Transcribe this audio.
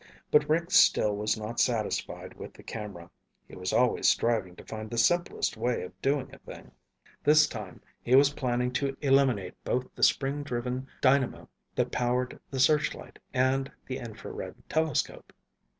But Rick still was not satisfied with the camera. He was always striving to find the simplest way of doing a thing. This time, he was planning to eliminate both the spring driven dynamo that powered the searchlight, and the infrared telescope.